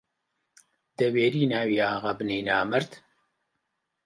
دەوێری ناوی ئاغا بێنی نامەرد!